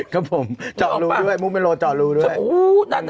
ครับผมจอรู้ด้วยมุกเมโลจอรู้ด้วย